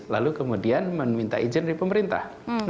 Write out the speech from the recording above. lalu kemudian meminta izin dari pemerintah